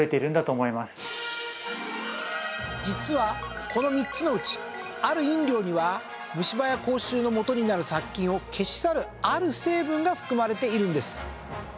実はこの３つのうちある飲料には虫歯や口臭のもとになる細菌を消し去るある成分が含まれているんです。